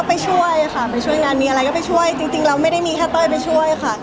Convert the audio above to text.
ไปช่วยค่ะไปช่วยงานมีอะไรก็ไปช่วยจริงแล้วไม่ได้มีแค่เต้ยไปช่วยค่ะ